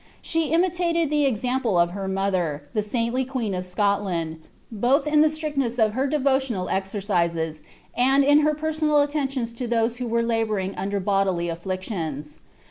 She imitated the example of her mother, the saintly queen of Scotland, both in the strictness of her devotional exercises, and in her personal attentions to those who were labouring under bodily afflic tions.'